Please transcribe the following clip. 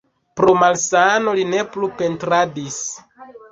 Pro malsano li ne plu pentradis.